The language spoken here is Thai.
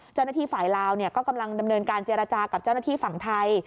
เจ้าหน้าที่ฝ่ายลาวก็กำลังดำเนินการเจรจากับเจ้าหน้าที่ฝั่งไทย